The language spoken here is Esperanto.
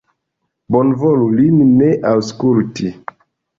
Bonvolu lin ne aŭskulti!